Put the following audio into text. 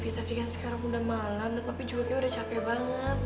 tapi kan kamu masih capek lah